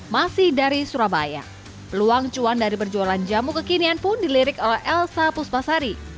masih dari surabaya peluang cuan dari berjualan jamu kekinian pun dilirik oleh elsa puspasari